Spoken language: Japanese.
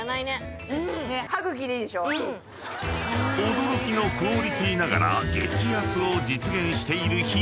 ［驚きのクオリティーながら激安を実現している秘密］